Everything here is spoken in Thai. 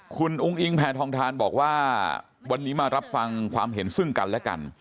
คุณอุ้งอิงแพทองทานบอกว่าวันนี้มารับฟังความเห็นซึ่งกันและกัน